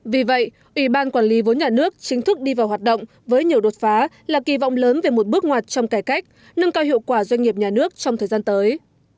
vì vậy ủy ban quản lý vốn nhà nước chính thức đi vào hoạt động với nhiều đột phá là kỳ vọng lớn về một bước ngoặt trong cải cách nâng cao hiệu quả doanh nghiệp nhà nước trong thời gian tới